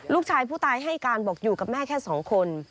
ลูกชายผู้ตายให้การบอกอยู่กับแม่แค่สองคน